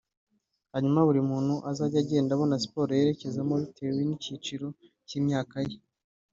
hanyuma buri muntu azajye agenda abona siporo yerekezamo bitewe n’icyiciro cy’imyaka ye